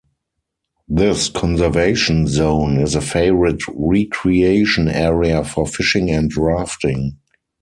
This conservation zone is a favorite recreation area for fishing and rafting.